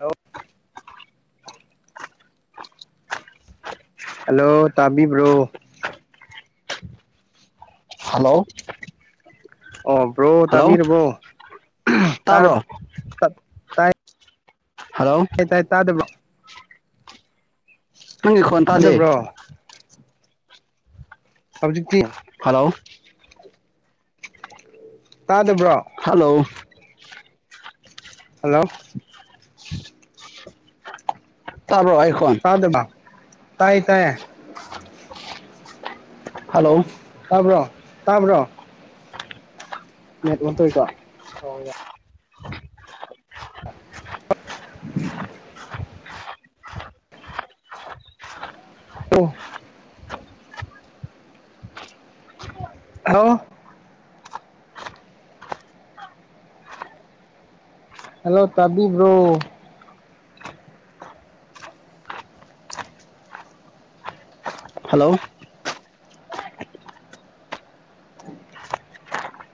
ꯑ ꯍꯜꯂꯣ ꯇꯥꯕꯤꯕ꯭ꯔꯣ ꯍꯜꯂꯣ ꯑꯣꯕ꯭ꯔꯣ ꯍꯜꯂꯣ ꯇꯕꯤꯔꯔꯕꯣ ꯇꯔ ꯇꯥꯕ꯭ꯔꯣ ꯍꯜꯂꯣ ꯑꯥꯏ ꯇꯥꯏ ꯇꯥ ꯑꯗꯨꯕ ꯅꯪꯒꯤ ꯈꯣꯟꯟ ꯇꯗꯦ ꯇꯥꯗꯕ꯭ꯔꯣ ꯑꯕꯖꯤꯛꯇ ꯍꯜꯂꯣ ꯇꯥꯗꯕ꯭ꯔꯣ ꯍꯜꯂꯣ ꯍꯜꯂꯣ ꯇꯥꯔꯕ ꯑꯩ ꯈꯣꯟ ꯁꯥ ꯑꯗꯨꯃ ꯇꯥꯏ ꯇꯥꯏꯌꯦꯦ ꯍꯜꯂꯣ ꯍꯥꯕ꯭ꯔꯣ ꯇꯥꯕ꯭ꯔꯣ ꯅꯦꯠ ꯑꯣꯟ ꯇꯧꯀꯣ ꯑꯣ ꯌꯥ ꯄ ꯑ ꯍꯜꯂꯣ ꯇꯕꯤꯕ꯭ꯔꯣ ꯍꯜꯂꯣ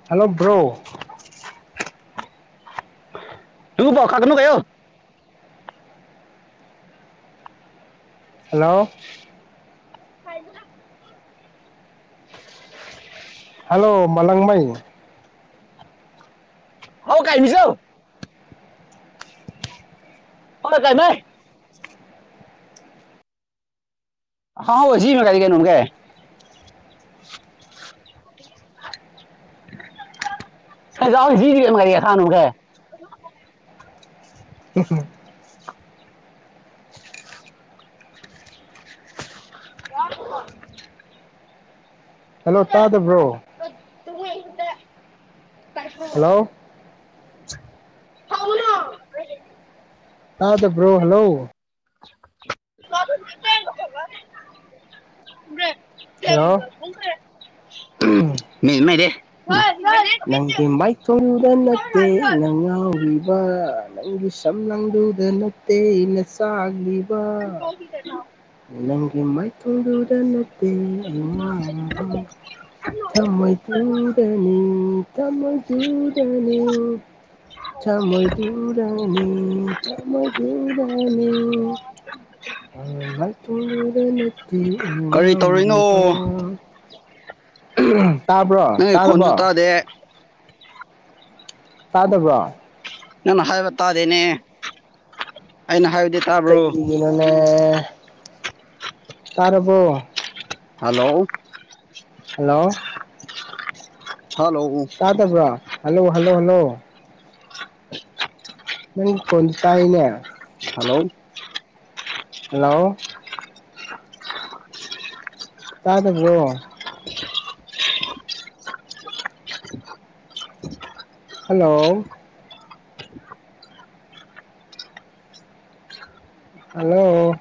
ꯍꯜꯂꯣ ꯕ꯭ꯔꯣ ꯇꯨ ꯐꯣꯈꯥꯒꯅ ꯀꯣ ꯍꯦꯜꯂꯣ ꯍꯜꯂꯣ ꯃꯂꯪꯃꯩ ꯍꯥꯎ ꯀꯥꯏꯃꯤꯁ ꯍꯔ ꯀꯥꯏꯅ ꯍꯥꯎꯖꯤ ꯃ ꯀꯗꯤꯒꯦꯅꯣ ꯀ ꯆꯥꯎꯥꯎ ꯁꯤꯖꯤ ꯀꯝ ꯀꯔꯤꯦ ꯁꯅꯨꯒꯦ ꯍꯜꯂꯣ ꯇꯥꯗꯕ꯭ꯔꯣ ꯍꯜꯂꯣ ꯑꯗꯕ꯭ꯔꯣ ꯍꯜꯂꯣ ꯍꯜꯂꯣ ꯃꯃꯗꯦ ꯅꯪꯒꯤ ꯃꯥꯏꯊꯣꯡꯗꯨꯗ ꯅꯠꯇꯦ ꯅ ꯉꯥꯎꯔꯤꯕ ꯅꯪꯒꯤ ꯁꯝ ꯅꯪꯗꯨꯗ ꯅꯠꯇꯦ ꯑꯩꯅ ꯆꯥꯛꯂꯤꯕ ꯅꯪꯒꯤ ꯃꯥꯏꯊꯣꯡꯗꯨꯗ ꯅꯠꯇꯦ ꯑꯩ ꯉ ꯃꯥꯏꯗꯨꯨꯗꯅꯤ ꯆ ꯃꯗꯨꯨꯔꯅꯤ ꯆ ꯃꯗꯨ ꯔꯅꯤ ꯆ ꯃꯗ ꯔꯅꯤ ꯊ ꯁꯤ ꯀꯔꯤ ꯇꯧꯔꯤꯅꯣ ꯏꯉꯀ ꯎꯝ ꯇꯥꯕ꯭ꯔꯣ ꯅꯪꯒꯤ ꯈꯣꯟꯁꯨ ꯇꯥꯔꯕ꯭ꯔꯣ ꯇꯥꯗꯦ ꯇꯥꯗꯕ ꯅꯪꯅ ꯍꯥꯏꯕ ꯇꯥꯗꯦꯅꯦ ꯑꯩꯅ ꯍꯥꯏꯕ ꯀꯩ ꯏꯅꯣꯅꯦ ꯇꯔꯔꯕꯣ ꯍꯜꯂꯣ ꯍꯜꯂꯣ ꯍꯜꯂꯣ ꯇꯥ ꯇꯕ꯭ꯔꯣ ꯍꯜꯂꯣ ꯍꯜꯂꯣ ꯍꯜꯂꯣ ꯅꯪ ꯈꯨꯟ ꯇꯥꯏꯅꯦ ꯍꯜꯂꯣ ꯍꯜꯂꯣ ꯇꯥꯗ ꯄꯣ ꯍꯜꯂꯣ ꯍꯜꯂꯣ